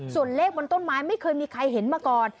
ส่วนเลขบนต้นไม้ไม่เคยมีใครเห็นมาก่อน